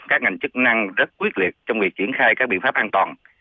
các ngành chức năng rất quyết liệt trong việc triển khai các biện pháp an toàn